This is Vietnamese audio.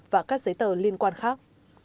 và các giấy tờ liên quan khác